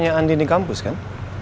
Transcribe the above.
hanya andi di kampus kan